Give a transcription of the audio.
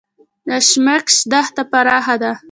د اشکمش دښته پراخه ده